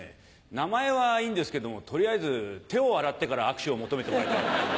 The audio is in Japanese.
名前はいいんですけども取りあえず手を洗ってから握手を求めてもらいたい。